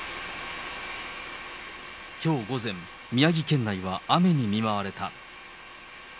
きょう午前、宮城県内は雨に見舞われた。